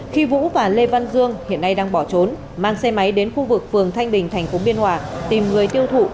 khi vũ và lê văn dương hiện nay đang bỏ trốn mang xe máy đến khu vực phường thanh bình tp biên hòa tìm người tiêu thụ